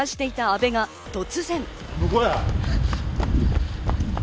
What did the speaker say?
向こうだ。